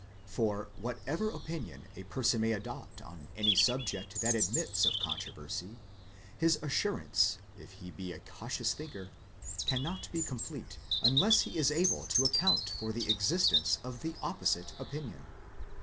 For, whatever opinion a person may adopt on any subject that admits of controversy, his assurance if he be a cautious thinker cannot be complete unless he is able to account for the existence of the op posite opinion.